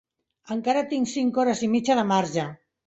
Encara tinc cinc hores i mitja de marge.